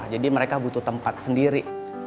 jadi mereka butuh tempat sendiri